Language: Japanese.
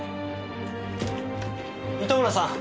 糸村さん。